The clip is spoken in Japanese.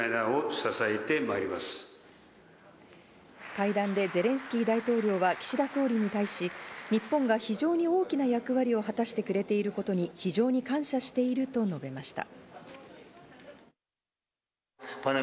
会談でゼレンスキー大統領は岸田総理に対し、日本が非常に大きな役割を果たしてくれていることに非常に感謝していると述べました。